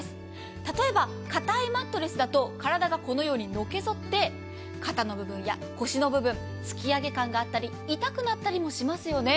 例えば硬いマットレスだと体がこのようにのけぞって肩の部分や腰の部分、突き上げ感があったり痛くなったりもしますよね。